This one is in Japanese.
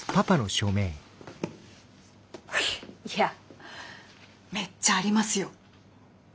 いやめっちゃありますよ。